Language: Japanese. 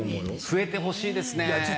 増えてほしいですね。